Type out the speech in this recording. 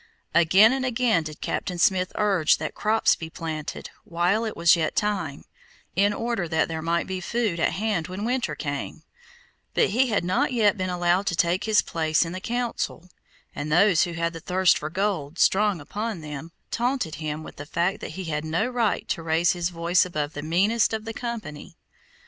Again and again did Captain Smith urge that crops be planted, while it was yet time, in order that there might be food at hand when the winter came; but he had not yet been allowed to take his place in the Council, and those who had the thirst for gold strong upon them, taunted him with the fact that he had no right to raise his voice above the meanest of the company.